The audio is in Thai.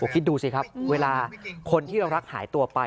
คิดดูสิครับเวลาคนที่เรารักหายตัวไป